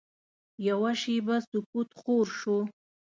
یوه شېبه سکوت خور شو.